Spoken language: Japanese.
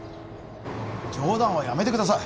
冗談はやめてください